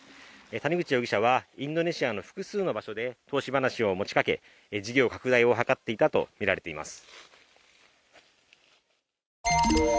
谷口容疑者はインドネシアの複数の場所で投資話を持ちかけ、事業拡大を図っていたとみられています。